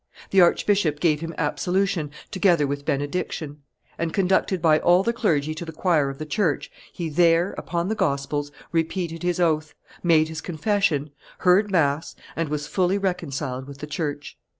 The archbishop gave him absolution together with benediction; and, conducted by all the clergy to the choir of the church, he there, upon the gospels, repeated his oath, made his confession, heard mass, and was fully reconciled with the church.